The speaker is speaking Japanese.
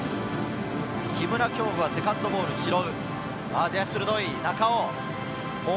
木村がセカンドボールを拾う。